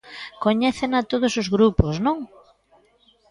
Coñécena todos os grupos, ¿non?